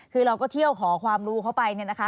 คือเราก็เที่ยวขอความรู้เขาไปเนี่ยนะคะ